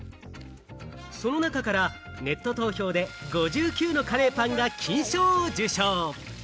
その中からネット投票で５９のカレーパンが金賞を受賞。